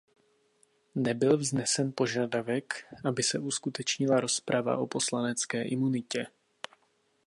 Nebyl vznesen požadavek, aby se uskutečnila rozprava o poslanecké imunitě.